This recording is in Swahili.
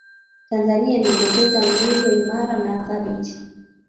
tanzania imepoteza nguzo imara na thabiti